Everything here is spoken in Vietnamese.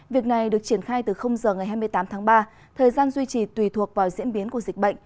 việc này được triển khai từ giờ ngày hai mươi tám tháng ba thời gian duy trì tùy thuộc vào diễn biến của dịch bệnh